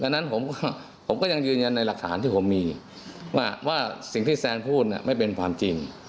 ฉะนั้นผมก็ยังยืนยันในหลักฐานที่ผมมีว่าสิ่งที่แซนพูดไม่เป็นความจริง